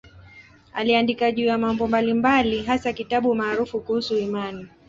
Aliandika juu ya mambo mbalimbali, hasa kitabu maarufu kuhusu imani.